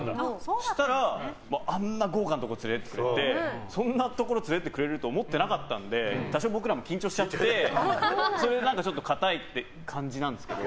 そしたら、あんな豪華なところに連れて行ってもらってそんなところ連れて行ってくれるとは思ってなかったので多少、僕らも緊張してそれで硬いって感じなんですけど。